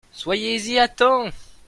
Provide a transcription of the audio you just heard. Soyez-y à temps !